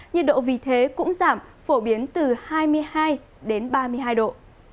nhiệt độ vì thế cũng giảm phổ biến từ hai mươi hai đến ba mươi hai độ